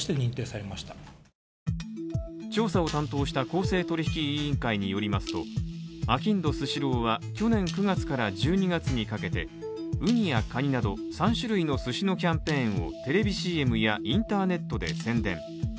調査を担当した公正取引委員会によりますと、あきんどスシローは去年９月から１２月にかけて、うにやカニなど３種類の寿司のキャンペーンをテレビＣＭやインターネットで宣伝